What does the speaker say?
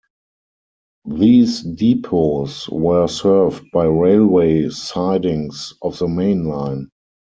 These depots were served by railway sidings off the main line.